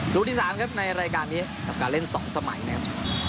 ลูกที่๓ครับในรายการนี้กับการเล่น๒สมัยนะครับ